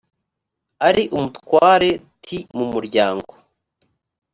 ari umutware t mu muryango